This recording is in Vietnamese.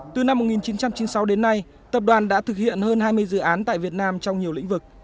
từ năm một nghìn chín trăm chín mươi sáu đến nay tập đoàn đã thực hiện hơn hai mươi dự án tại việt nam trong nhiều lĩnh vực